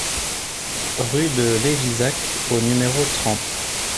Rue de Lévizac au numéro trente